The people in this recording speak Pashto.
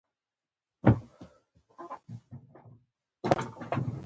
د عامو خلکو ټولنيز ارزښتونه ،کړه وړه بيان وي.